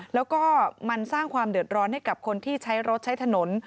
แล้วก็มันสร้างความเดือดร้อนให้กับคนที่ใช้รถใช้ถนน